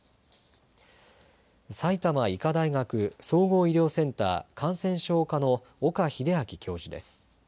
埼玉医科大学総合医療センター感染症科の岡秀昭教授です。